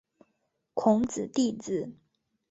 孔子弟子。